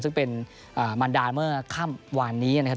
ซึ่งเป็นมันดาเมื่อค่ำวานนี้นะครับ